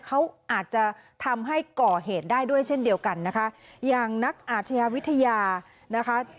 เขาอาจจะทำให้ก่อเหตุได้ด้วยเช่นเดียวกันนะคะอย่างนักอาชญาวิทยานะคะ